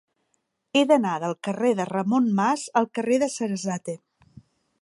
He d'anar del carrer de Ramon Mas al carrer de Sarasate.